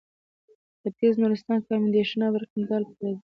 ختیځ نورستان کامدېش او برګمټال پکې راځي.